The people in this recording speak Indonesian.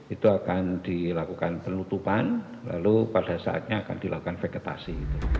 itu akan dilakukan penutupan lalu pada saatnya akan dilakukan vegetasi